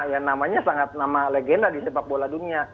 yang namanya sangat nama legenda di sepak bola dunia